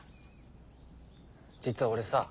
実は俺さ。